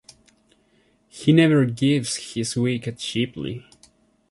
He never gives his wicket cheaply.